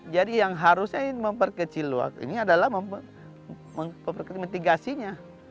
jadi yang harusnya memperkecil waktu ini adalah memperkecil mitigasinya